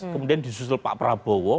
kemudian disusul pak prabowo